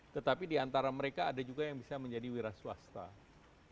tetapi diantara mereka ada juga yang bisa menjadi wiras waspada